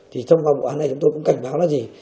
thì trong vụ ăn này chúng tôi cũng cảnh báo là gì